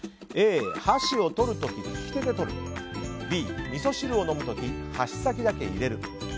Ａ、箸を取る時、利き手で取るＢ、みそ汁を飲む時箸先だけを入れる。